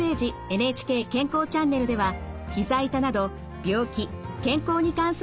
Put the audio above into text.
ＮＨＫ健康チャンネルではひざ痛など病気健康に関する質問を募集しています。